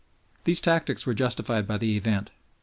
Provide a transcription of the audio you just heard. These tactics were justified by the event.